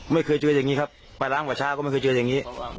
ไม่เคยเจออย่างนี้ครับไปล้างป่าช้าก็ไม่เคยเจออย่างนี้